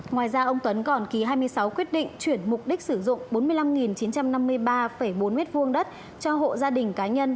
ngoài ra ông tuấn còn ký hai mươi sáu quyết định chuyển mục đích sử dụng bốn mươi năm chín trăm năm mươi ba bốn m hai đất cho hộ gia đình cá nhân